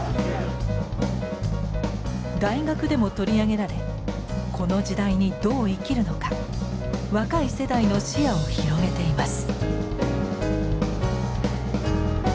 大学でも取り上げられこの時代にどう生きるのか若い世代の視野を広げています。